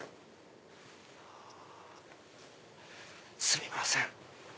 すみません。